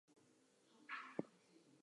There were also about a dozen candles about.